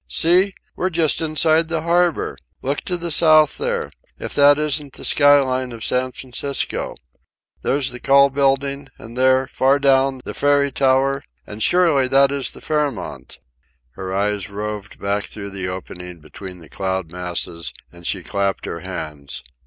"See! We're just inside the harbour. Look to the south there. If that isn't the sky line of San Francisco! There's the Call Building, and there, far down, the Ferry Tower, and surely that is the Fairmount." Her eyes roved back through the opening between the cloud masses, and she clapped her hands.